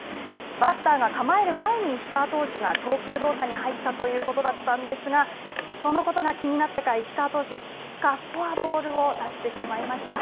バッターが構える前に石川投手が投球動作に入ったということだったんですがそのことが気になってか石川選手結果、フォアボールを出してしまいました。